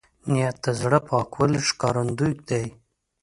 نیت د زړه د پاکوالي ښکارندوی دی.